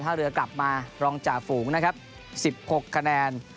ถ้าเรือกลับมารองจ่าฝูงนะครับ๑๖คะแนน